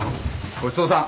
ごちそうさん。